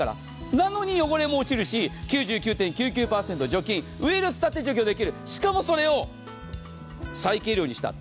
なのに汚れも落ちるし、９９．９９％除菌ウイルスだって除去できる、しかもそれを最軽量にした。